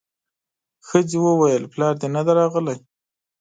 ښځې وويل پلار دې نه دی راغلی.